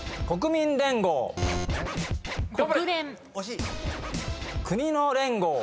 国の連合。